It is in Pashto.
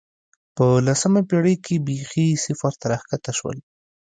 په لسمه پېړۍ کې بېخي صفر ته راښکته شول